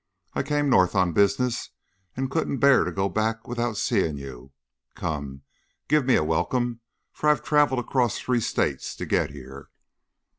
I came north on business and couldn't bear to go back without seeing you. Come! Give me a welcome, for I've traveled across three states to get here."